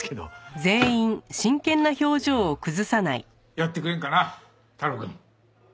やってくれんかな太郎くん。